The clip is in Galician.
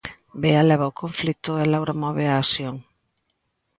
Bea leva o conflito e Laura move a acción.